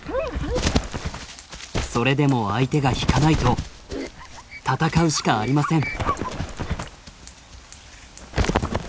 それでも相手が引かないと戦うしかありません。